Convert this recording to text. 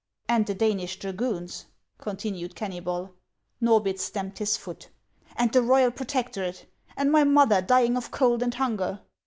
•' And the Danish dragoons ?" continued Kennybol. Xorbith stamped his foot. " And the royal protectorate ; and my mother dying of cold and hunger